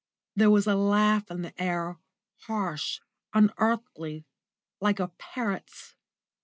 There was a laugh in the air, harsh, unearthly, like a parrot's.